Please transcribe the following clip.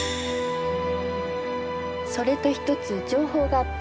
それと１つ情報があって。